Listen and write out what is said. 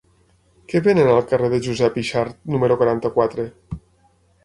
Què venen al carrer de Josep Yxart número quaranta-quatre?